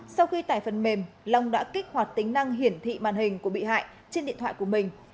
sau khi tải phần mềm long đã kích hoạt tính năng hiển thị màn hình của bị hại trên điện thoại của mình